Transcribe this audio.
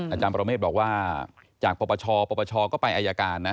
อาจารย์ปรเมฆบอกว่าจากปปชปปชก็ไปอายการนะ